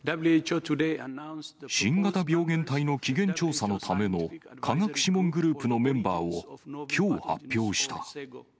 新型病原体の起源調査のための科学諮問グループのメンバーをきょう発表した。